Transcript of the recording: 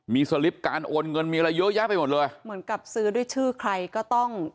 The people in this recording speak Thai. มีสลิปการโอนเงินมีอะไรเยอะแยะไปหมดเลยเหมือนกับซื้อด้วยชื่อใครก็ต้อง